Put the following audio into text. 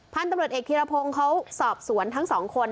พ่านตำรวจเอกทิรพพงศ์เขาสอบสวนทั้ง๒คน